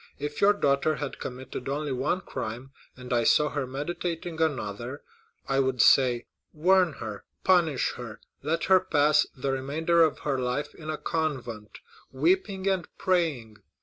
If your daughter had committed only one crime, and I saw her meditating another, I would say 'Warn her, punish her, let her pass the remainder of her life in a convent, weeping and praying.